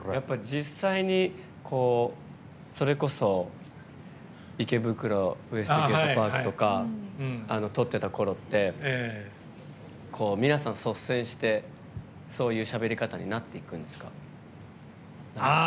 実際に、それこそ「池袋ウエストゲートパーク」撮ってた頃って皆さん、率先してそういうしゃべり方になっていくんですか？